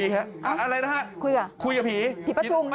หิวขาว